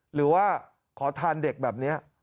หรือว่าขอทานเด็กแบบนี้